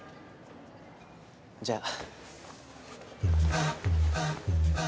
じゃあ。